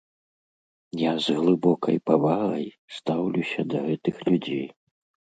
Я з глыбокай павагай стаўлюся да гэтых людзей.